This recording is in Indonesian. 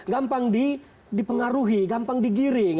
gampang dipengaruhi gampang digiring